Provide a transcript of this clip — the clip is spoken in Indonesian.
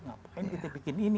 ngapain kita bikin ini